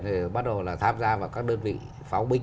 thì bắt đầu là tham gia vào các đơn vị pháo binh